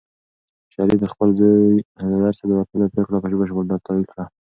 شریف د خپل زوی له درسه د وتلو پرېکړه په بشپړ ډول تایید کړه.